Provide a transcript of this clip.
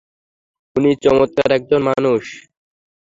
উনি চমৎকার একজন মানুষ!